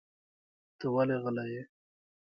ته ولې غلی یې؟